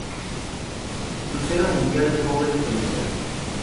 Crucero mundial de Jóvenes Solistas.